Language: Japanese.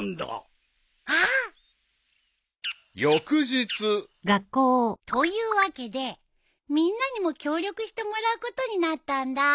［翌日］というわけでみんなにも協力してもらうことになったんだ。